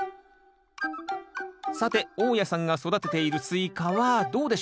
さて大家さんが育てているスイカはどうでしょうか？